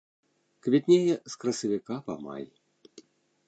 Квітнее з красавіка па май.